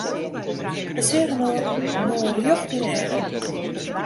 Wy seagen inoar rjocht yn 'e eagen.